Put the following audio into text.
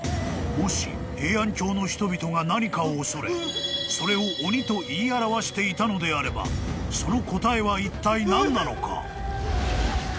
［もし平安京の人々が何かを恐れそれを鬼と言い表していたのであればその答えはいったい何なのか？］